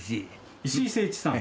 石井誠一さん？